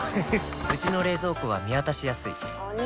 うちの冷蔵庫は見渡しやすいお兄！